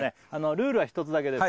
ルールは一つだけです